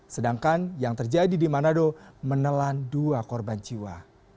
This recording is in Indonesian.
sedangkan yang terjadi di manado menelan dua korban jiwa